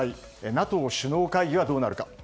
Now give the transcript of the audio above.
ＮＡＴＯ首脳会議はどうなるか？